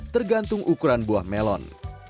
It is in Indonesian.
tergantung ukuran buah melon